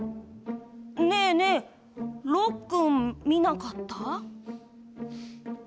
ねえ、ねえろっくん、みなかった？